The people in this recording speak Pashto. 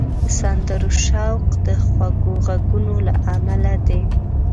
د سندرو شوق د خوږو غږونو له امله دی